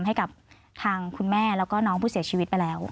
ให้กับทางคุณแม่แล้วก็น้องผู้เสียชีวิตไปแล้ว